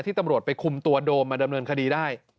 ตำรวจไปคุมตัวโดมมาดำเนินคดีได้